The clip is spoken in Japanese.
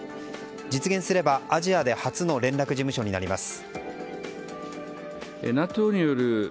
実現すればアジアで初の連絡事務所になります。